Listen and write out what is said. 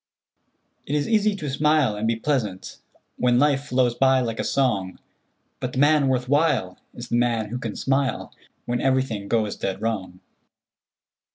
"It is easy to smile and be pleasant When life flows by like a song; But the man worth while Is the man who can smile When everything goes dead wrong."